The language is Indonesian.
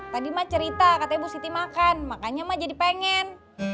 tadi mak cerita kata ibu siti makan makannya mak jadi pengen